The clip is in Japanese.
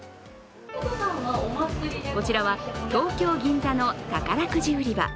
こちらは東京・銀座の宝くじ売り場